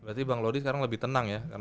berarti bang lodi sekarang lebih tenang ya